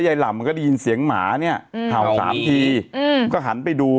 หมาก็ยืมมองหมีเหมือนกันมีก็ยืมมองหมา